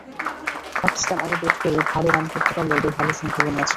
পাকিস্তান আগে ব্যাট করে ভালো রান করতে পারলে ওদের ভালো সম্ভাবনা আছে।